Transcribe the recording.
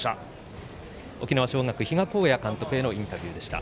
沖縄尚学、比嘉公也監督のインタビューでした。